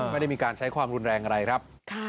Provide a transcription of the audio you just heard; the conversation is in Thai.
ไม่ได้มีการใช้ความรุนแรงอะไรครับ